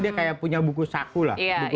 dia kayak punya buku saku lah